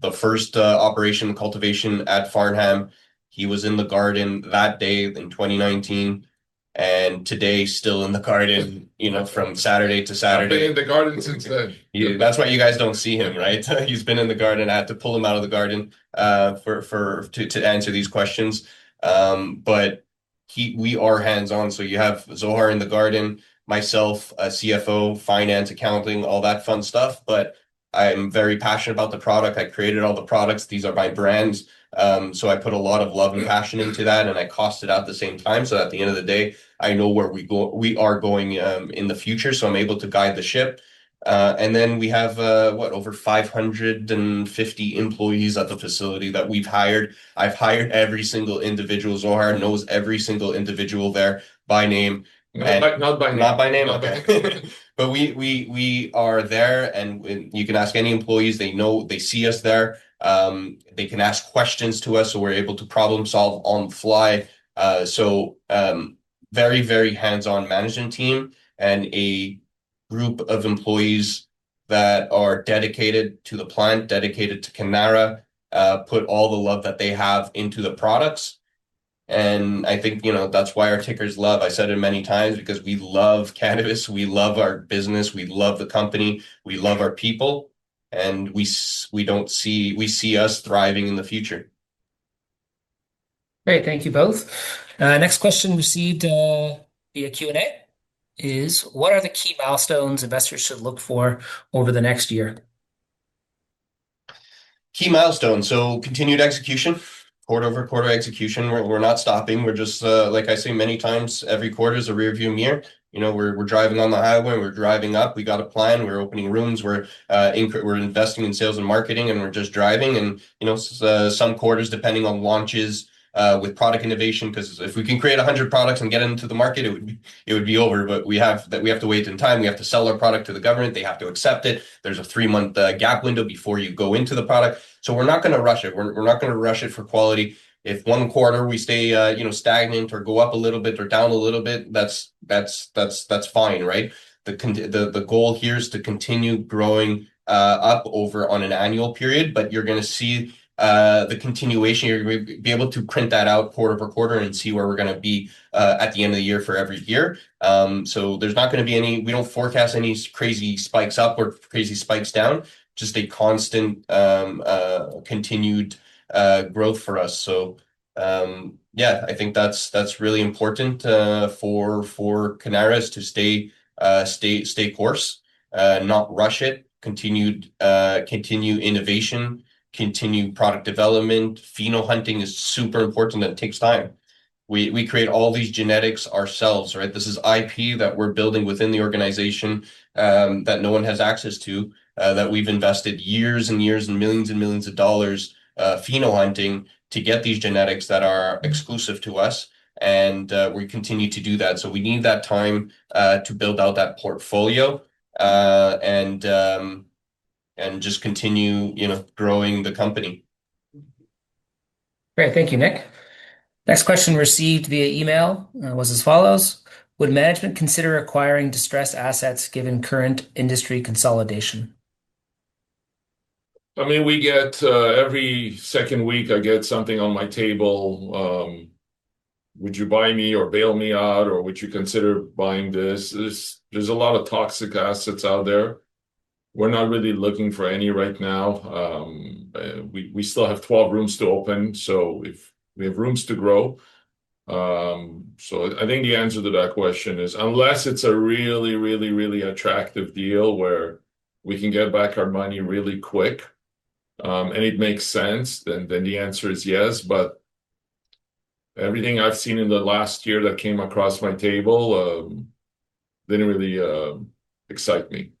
the first operation cultivation at Farnham. He was in the garden that day in 2019 and today still in the garden from Saturday to Saturday. I've been in the garden since then. That's why you guys don't see him, right? He's been in the garden. I had to pull him out of the garden to answer these questions, but we are hands-on, so you have Zohar in the garden, myself, CFO, finance, accounting, all that fun stuff, but I'm very passionate about the product. I created all the products. These are my brands, so I put a lot of love and passion into that, and I cost it out at the same time. So at the end of the day, I know where we are going in the future, so I'm able to guide the ship. Then we have, what, over 550 employees at the facility that we've hired. I've hired every single individual. Zohar knows every single individual there by name. Not by name. Not by name. Okay. But we are there, and you can ask any employees. They see us there. They can ask questions to us, so we're able to problem-solve on the fly. So very, very hands-on management team and a group of employees that are dedicated to the plant, dedicated to Cannara, put all the love that they have into the products. I think that's why our ticker LOVE. I said it many times because we love cannabis. We love our business. We love the company. We love our people. We see us thriving in the future. Great. Thank you both. Next question received via Q&A is, what are the key milestones investors should look for over the next year? Key milestones, so continued execution, quarter-over-quarter execution. We're not stopping. We're just, like I say many times, every quarter is a rearview mirror. We're driving on the highway. We're driving up. We got a plan. We're opening rooms. We're investing in sales and marketing, and we're just driving, and some quarters, depending on launches with product innovation, because if we can create 100 products and get them to the market, it would be over. But we have to wait in time. We have to sell our product to the government. They have to accept it. There's a three-month gap window before you go into the product. So we're not going to rush it. We're not going to rush it for quality. If one quarter we stay stagnant or go up a little bit or down a little bit, that's fine, right? The goal here is to continue growing up over on an annual period, but you're going to see the continuation. You're going to be able to print that out quarter for quarter and see where we're going to be at the end of the year for every year. So there's not going to be any we don't forecast any crazy spikes up or crazy spikes down, just a constant continued growth for us. So yeah, I think that's really important for Cannara to stay course, not rush it, continue innovation, continue product development. Pheno Hunting is super important and takes time. We create all these genetics ourselves, right? This is IP that we're building within the organization that no one has access to, that we've invested years and years and millions and millions of dollars Pheno Hunting to get these genetics that are exclusive to us. And we continue to do that. So we need that time to build out that portfolio and just continue growing the company. Great. Thank you, Nick. Next question received via email was as follows. Would management consider acquiring distressed assets given current industry consolidation? I mean, every second week, I get something on my table. Would you buy me or bail me out, or would you consider buying this? There's a lot of toxic assets out there. We're not really looking for any right now. We still have 12 rooms to open, so we have rooms to grow. So I think the answer to that question is, unless it's a really, really, really attractive deal where we can get back our money really quick and it makes sense, then the answer is yes. But everything I've seen in the last year that came across my table didn't really excite me.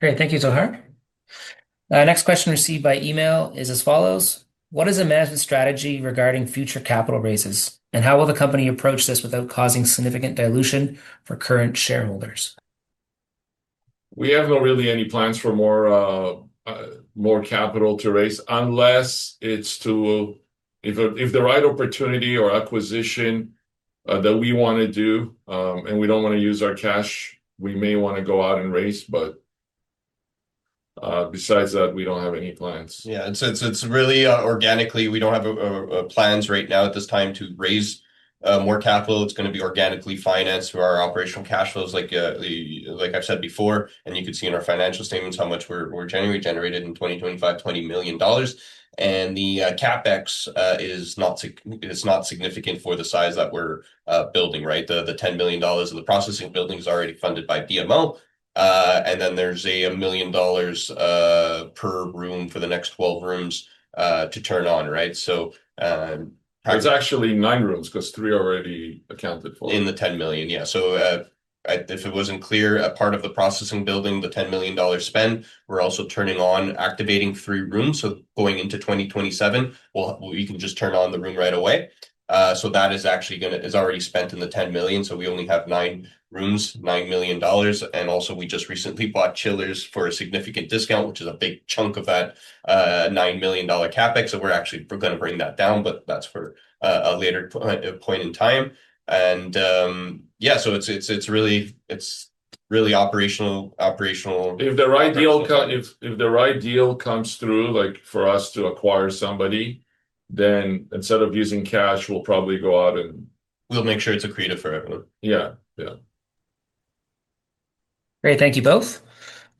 Great. Thank you, Zohar. Next question received by email is as follows. What is a management strategy regarding future capital raises, and how will the company approach this without causing significant dilution for current shareholders? We have no really any plans for more capital to raise unless it's to if the right opportunity or acquisition that we want to do and we don't want to use our cash, we may want to go out and raise. But besides that, we don't have any plans. Yeah. So it's really organically. We don't have plans right now at this time to raise more capital. It's going to be organically financed through our operational cash flows, like I've said before. And you could see in our financial statements how much we're generating in 2025, 20 million dollars. And the CapEx is not significant for the size that we're building, right? The 10 million dollars of the processing building is already funded by BMO. And then there's a million dollars per room for the next 12 rooms to turn on, right? So it's actually nine rooms because three are already accounted for. In the 10 million. Yeah. So if it wasn't clear, a part of the processing building, the 10 million dollar spend, we're also turning on, activating three rooms. So going into 2027, we can just turn on the room right away. So that is actually going to is already spent in the 10 million. So we only have nine rooms, 9 million dollars. And also, we just recently bought chillers for a significant discount, which is a big chunk of that 9 million dollar CapEx. So we're actually going to bring that down, but that's for a later point in time. And yeah, so it's really operational. If the right deal comes through for us to acquire somebody, then instead of using cash, we'll probably go out and we'll make sure it's accretive forever. Yeah. Yeah. Great. Thank you both.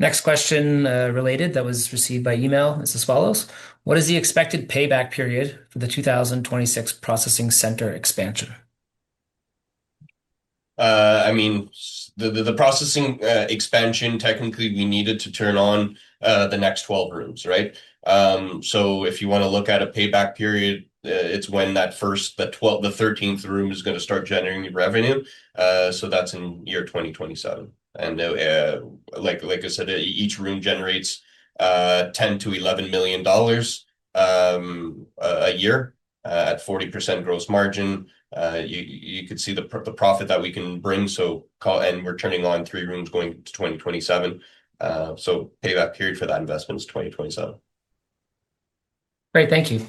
Next question related that was received by email is as follows. What is the expected payback period for the 2026 processing center expansion? I mean, the processing expansion, technically, we needed to turn on the next 12 rooms, right? So if you want to look at a payback period, it's when that first, the 13th room is going to start generating revenue. So that's in year 2027. And like I said, each room generates 10-11 million dollars a year at 40% gross margin. You could see the profit that we can bring. And we're turning on three rooms going to 2027. So payback period for that investment is 2027. Great. Thank you.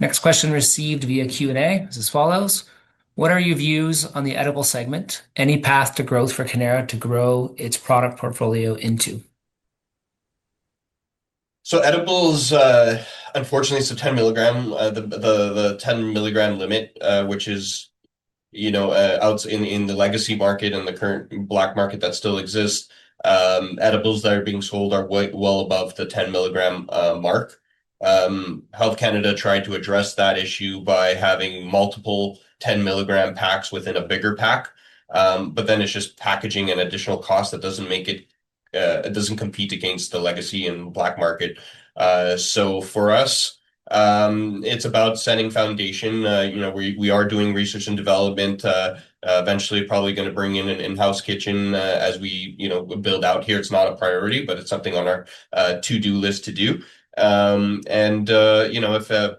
Next question received via Q&A is as follows. What are your views on the edible segment? Any path to growth for Cannara to grow its product portfolio into? So edibles, unfortunately, it's a 10 milligram, the 10 milligram limit, which is out in the legacy market and the current black market that still exists. Edibles that are being sold are well above the 10 milligram mark. Health Canada tried to address that issue by having multiple 10-milligram packs within a bigger pack. But then it's just packaging and additional costs that doesn't make it. It doesn't compete against the legacy and black market. So for us, it's about setting foundation. We are doing research and development. Eventually, probably going to bring in an in-house kitchen as we build out here. It's not a priority, but it's something on our to-do list to do. And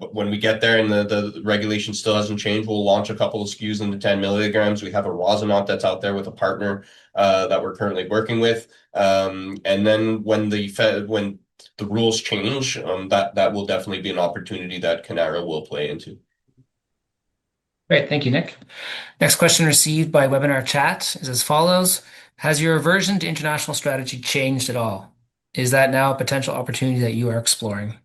when we get there and the regulation still hasn't changed, we'll launch a couple of SKUs in the 10 milligrams. We have a roadmap that's out there with a partner that we're currently working with. And then when the rules change, that will definitely be an opportunity that Cannara will play into. Great. Thank you, Nick. Next question received by webinar chat is as follows. Has your aversion to international strategy changed at all? Is that now a potential opportunity that you are exploring?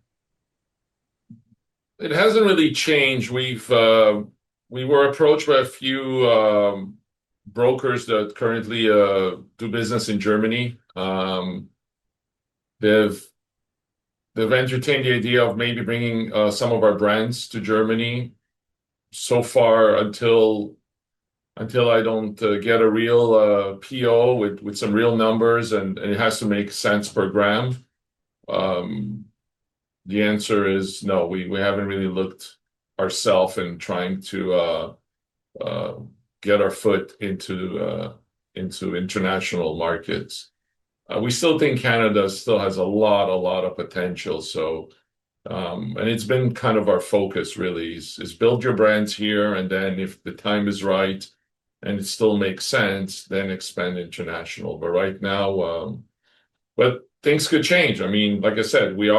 It hasn't really changed. We were approached by a few brokers that currently do business in Germany. They've entertained the idea of maybe bringing some of our brands to Germany. So far, until I don't get a real PO with some real numbers and it has to make sense per gram, the answer is no. We haven't really looked ourselves in trying to get our foot into international markets. We still think Canada still has a lot, a lot of potential. And it's been kind of our focus, really, is build your brands here, and then if the time is right and it still makes sense, then expand international. But right now, but things could change. I mean, like I said, we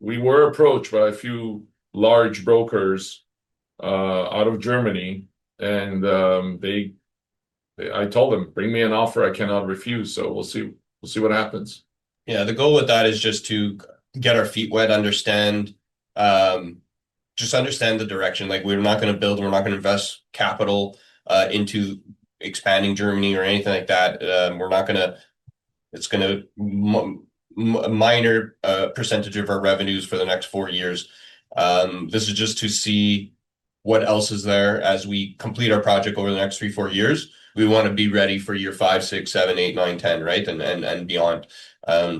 were approached by a few large brokers out of Germany, and I told them, "Bring me an offer. I cannot refuse." So we'll see what happens. Yeah. The goal with that is just to get our feet wet, just understand the direction. We're not going to build, we're not going to invest capital into expanding Germany or anything like that. We're not going to. It's going to be a minor percentage of our revenues for the next four years. This is just to see what else is there as we complete our project over the next three, four years. We want to be ready for year five, six, seven, eight, nine, ten, right, and beyond.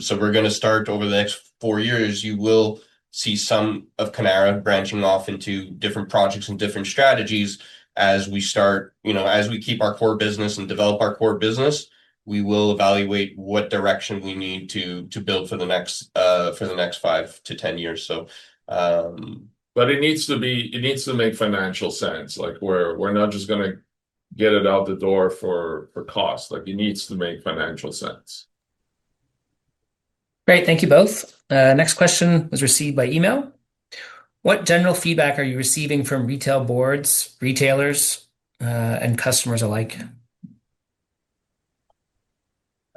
So we're going to start over the next four years. You will see some of Cannara branching off into different projects and different strategies as we start, as we keep our core business and develop our core business. We will evaluate what direction we need to build for the next five to 10 years. But it needs to be - it needs to make financial sense. We're not just going to get it out the door for cost. It needs to make financial sense. Great. Thank you both. Next question was received by email. What general feedback are you receiving from retail boards, retailers, and customers alike?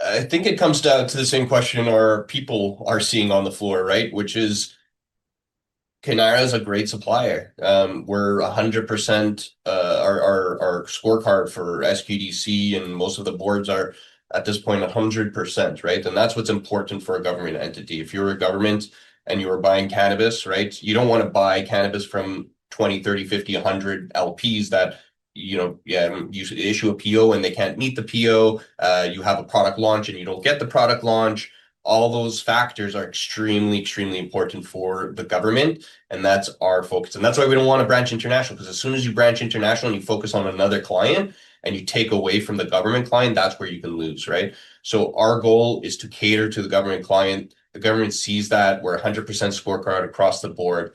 I think it comes down to the same question our people are seeing on the floor, right, which is Cannara is a great supplier. We're 100% our scorecard for SQDC, and most of the boards are at this point 100%, right? And that's what's important for a government entity. If you're a government and you are buying cannabis, right, you don't want to buy cannabis from 20, 30, 50, 100 LPs that, yeah, you issue a PO and they can't meet the PO. You have a product launch and you don't get the product launch. All those factors are extremely, extremely important for the government, and that's our focus. That's why we don't want to branch international, because as soon as you branch international and you focus on another client and you take away from the government client, that's where you can lose, right? Our goal is to cater to the government client. The government sees that. We're 100% scorecard across the board.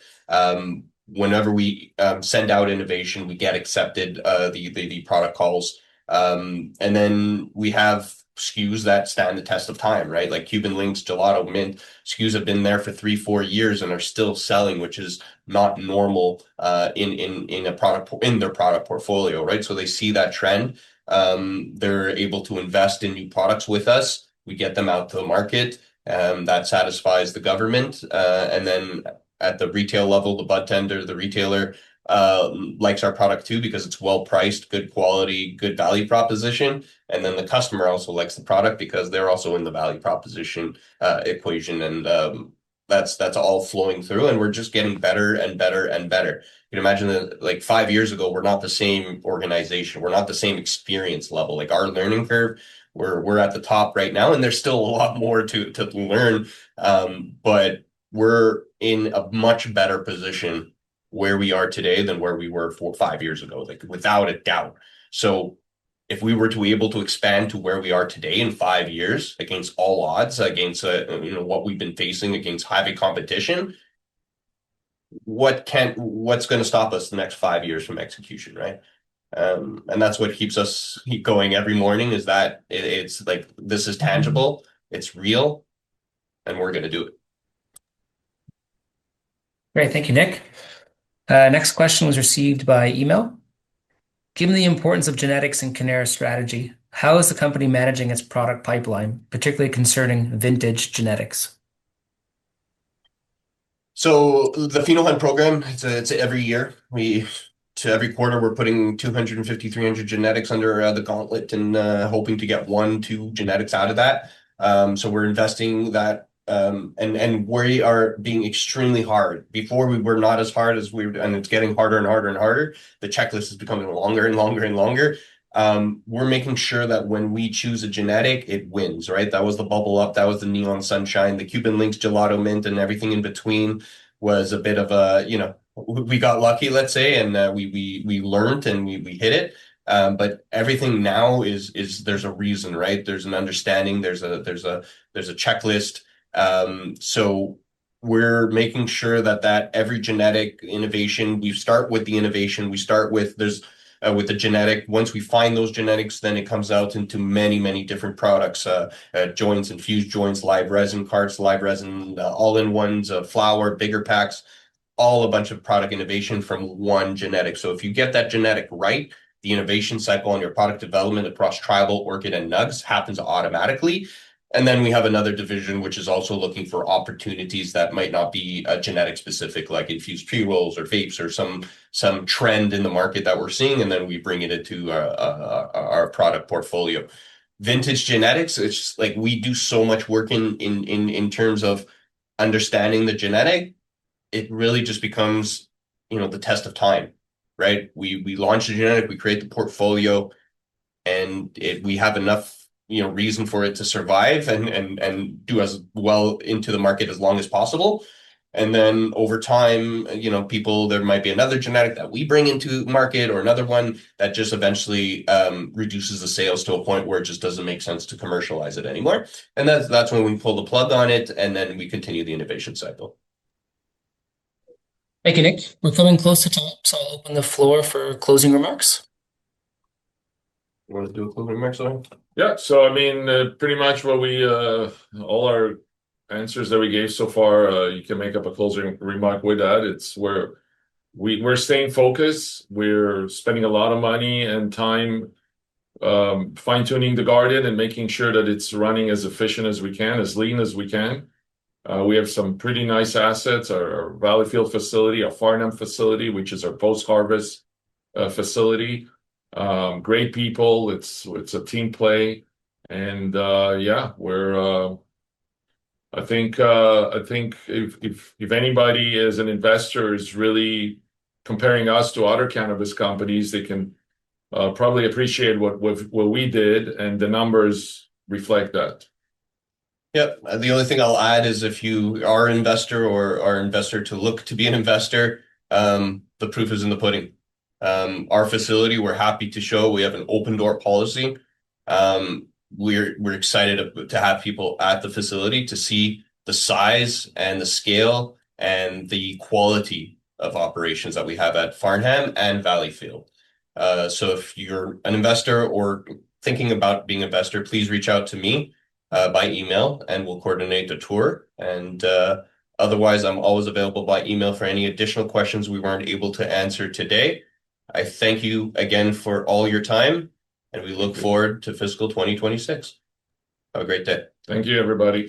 Whenever we send out innovation, we get accepted the product calls. Then we have SKUs that stand the test of time, right? Like Cuban Linx, Gelato Mint. SKUs have been there for three, four years and are still selling, which is not normal in their product portfolio, right? So they see that trend. They're able to invest in new products with us. We get them out to the market. That satisfies the government, and then at the retail level, the budtender, the retailer likes our product too because it's well-priced, good quality, good value proposition, and then the customer also likes the product because they're also in the value proposition equation, and that's all flowing through, and we're just getting better and better and better. You can imagine that five years ago, we're not the same organization. We're not the same experience level. Our learning curve. We're at the top right now, and there's still a lot more to learn. But we're in a much better position where we are today than where we were five years ago, without a doubt. So if we were to be able to expand to where we are today in five years against all odds, against what we've been facing, against heavy competition, what's going to stop us the next five years from execution, right? And that's what keeps us going every morning is that it's like, "This is tangible. It's real. And we're going to do it." Great. Thank you, Nick. Next question was received by email. Given the importance of genetics in Cannara strategy, how is the company managing its product pipeline, particularly concerning vintage genetics? So the pheno hunt program, it's every year. To every quarter, we're putting 250, 300 genetics under the gauntlet and hoping to get one, two genetics out of that. So we're investing that. And we are being extremely hard. Before, we were not as hard as we were, and it's getting harder and harder and harder. The checklist is becoming longer and longer and longer. We're making sure that when we choose a genetic, it wins, right? That was the Bubble Up. That was the Neon Sunshine. The Cuban Linx, Gelato Mint, and everything in between was a bit of a, we got lucky, let's say, and we learned and we hit it. But everything now, there's a reason, right? There's an understanding. There's a checklist. So we're making sure that every genetic innovation, we start with the innovation. We start with the genetic. Once we find those genetics, then it comes out into many, many different products: joints, infused joints, live resin carts, live resin all-in-ones, flower, bigger packs, all a bunch of product innovation from one genetic. If you get that genetic right, the innovation cycle on your product development across Tribal, Orchid, and Nugz happens automatically. And then we have another division, which is also looking for opportunities that might not be genetic-specific, like infused pre-rolls or vapes or some trend in the market that we're seeing. And then we bring it into our product portfolio. Vintage genetics, it's like we do so much work in terms of understanding the genetic. It really just becomes the test of time, right? We launch the genetic, we create the portfolio, and we have enough reason for it to survive and do as well into the market as long as possible. And then over time, there might be another genetic that we bring into the market or another one that just eventually reduces the sales to a point where it just doesn't make sense to commercialize it anymore. And that's when we pull the plug on it, and then we continue the innovation cycle. Thank you, Nick. We're coming close to time, so I'll open the floor for closing remarks. You want to do a closing remark, Zohar? Yeah. So I mean, pretty much what we—all our answers that we gave so far, you can make up a closing remark with that. We're staying focused. We're spending a lot of money and time fine-tuning the garden and making sure that it's running as efficient as we can, as lean as we can. We have some pretty nice assets: our Valleyfield facility, our Farnham facility, which is our post-harvest facility. Great people. It's a team play. And yeah, I think if anybody is an investor who's really comparing us to other cannabis companies, they can probably appreciate what we did, and the numbers reflect that. Yep. The only thing I'll add is if you are an investor or are invested to look to be an investor, the proof is in the pudding. Our facility, we're happy to show. We have an open-door policy. We're excited to have people at the facility to see the size and the scale and the quality of operations that we have at Farnham and Valleyfield. So if you're an investor or thinking about being an investor, please reach out to me by email, and we'll coordinate a tour. And otherwise, I'm always available by email for any additional questions we weren't able to answer today. I thank you again for all your time, and we look forward to fiscal 2026. Have a great day. Thank you, everybody.